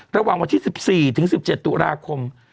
ระหว่างวันที่๑๔ถึง๑๗ตุลาคม